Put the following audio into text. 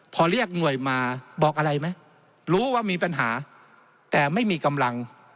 พอเรียกหน่วยมาบอกอะไรไหมรู้ว่ามีปัญหาแต่ไม่มีกำลัง